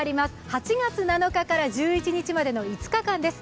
８月７日から１１日までの５日間です。